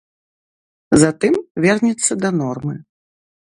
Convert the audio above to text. Затым вернецца да нормы.